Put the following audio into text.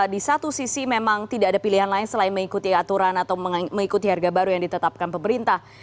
di satu sisi memang tidak ada pilihan lain selain mengikuti aturan atau mengikuti harga baru yang ditetapkan pemerintah